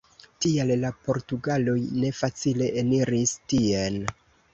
Tial la portugaloj ne facile eniris tien.